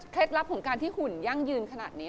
ลับของการที่หุ่นยั่งยืนขนาดนี้